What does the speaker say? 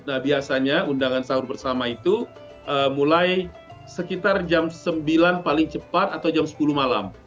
nah biasanya undangan sahur bersama itu mulai sekitar jam sembilan paling cepat atau jam sepuluh malam